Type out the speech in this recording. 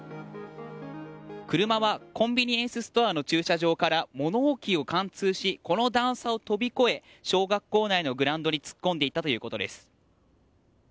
車はコンビニエンスストアの駐車場から物置を貫通しこの段差を飛び越え小学校内のグラウンドに突っ込んでいったということです。